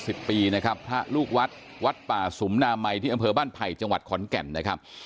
สิบปีนะครับพระลูกวัดวัดป่าสุมนามัยที่อำเภอบ้านไผ่จังหวัดขอนแก่นนะครับ